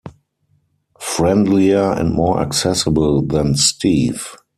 Friendlier and more accessible than Steve.